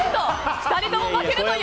２人とも負けるという。